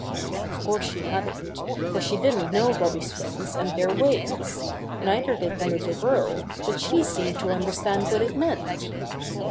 Of course she hadn't, for she didn't know Bobby's friends and their ways. Neither did the little girl, but she seemed to understand what it meant.